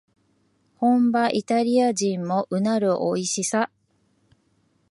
本場イタリア人もうなるおいしさ